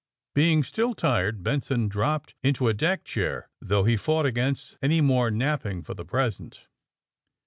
Being still tired Benson dropped into a deck chair, though he fought against any more nap ping for the present.